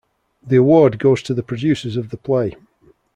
The award goes to the producers of the play.